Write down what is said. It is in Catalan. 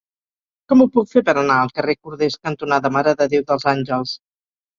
Com ho puc fer per anar al carrer Corders cantonada Mare de Déu dels Àngels?